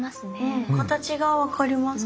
形が分かります。